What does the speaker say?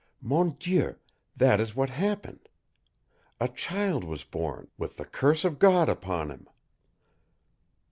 Mon Dieu, that is what happened! A child was born, with the curse of God upon him!"